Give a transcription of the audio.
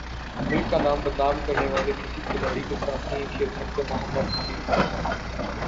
ملک کا نام بدنام کرنے والے کسی کھلاڑی کے ساتھ نہیں کھیل سکتا محمد حفیظ